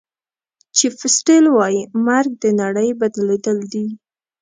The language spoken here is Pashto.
چیف سیټل وایي مرګ د نړۍ بدلېدل دي.